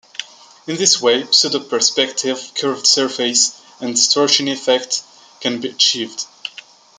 In this way, pseudo-perspective, curved surface, and distortion effects can be achieved.